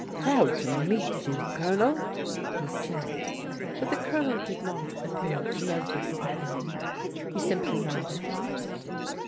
" Proud to meet you. Colonel," he said, but the Colonel did not appear to notice the hand. He simply nodded.